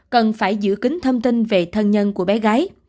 cần phải giữ kính thông tin về thân nhân của bé gái